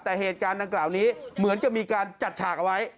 แต่เหตุการณ์ดังกล่าวนี้เหมือนกับมีการจัดฉากเอาไว้